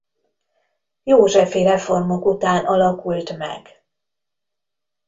Józsefi reformok után alakult meg.